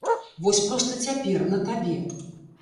Вось проста цяпер, на табе?